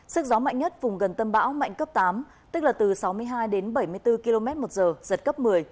sức gió mạnh nhất vùng gần tâm bão mạnh cấp tám tức là từ sáu mươi hai đến bảy mươi bốn km một giờ giật cấp một mươi